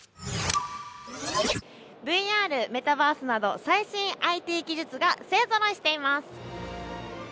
ＶＲ、メタバースなど最新ＩＴ技術が勢ぞろいしています。